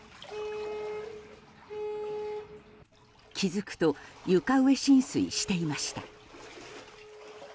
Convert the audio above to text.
気づくと床上浸水していました。